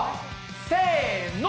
せの！